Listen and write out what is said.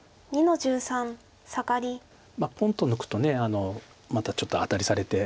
ポンと抜くとまたちょっとアタリされて。